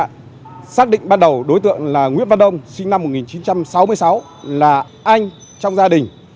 cơ quan chức năng nhận định đối tượng nguyễn văn đông sinh năm một nghìn chín trăm sáu mươi sáu là anh trong gia đình